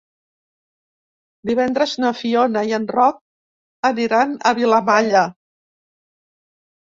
Divendres na Fiona i en Roc aniran a Vilamalla.